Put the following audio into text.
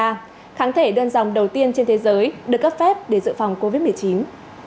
kháng thể đơn dòng đầu tiên trên thế giới được cấp phép để dự phòng covid một mươi chín